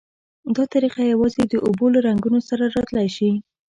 دا طریقه یوازې د اوبو له رنګونو سره را تلای شي.